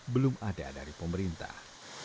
belum ada dari pemerintah